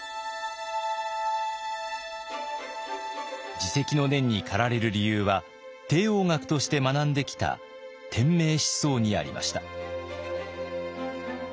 自責の念に駆られる理由は帝王学として学んできた天命思想にありました。